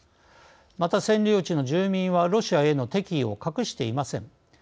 また占領地の住民はロシアへの敵意を隠していません。